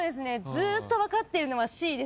ずーっと分かってるのはＣです。